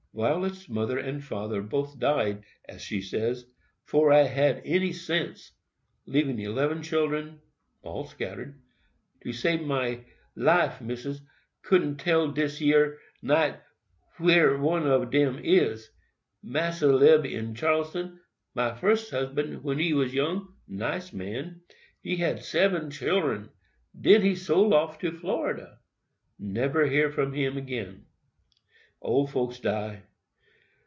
Violet's father and mother both died, as she says, "'fore I had any sense," leaving eleven children—all scattered. "To sabe my life, Missis, couldn't tell dis yer night where one of dem is. Massa lib in Charleston. My first husband,—when we was young,—nice man; he had seven children; den he sold off to Florida—neber hear from him 'gain. Ole folks die.